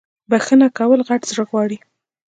بخښنه کول غت زړه غواړی